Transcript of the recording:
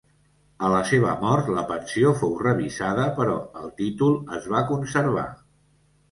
A la seva mort la pensió fou revisada però el títol es va conservar.